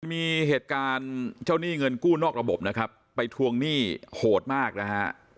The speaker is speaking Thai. มีเหตุการณ์เจ้าหนี้เงินกู้นอกระบบนะครับไปทวงหนี้โหดมากนะฮะ